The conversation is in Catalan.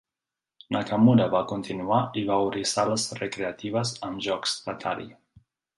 Nakamura va continuar i va obrir sales recreatives amb jocs d'Atari.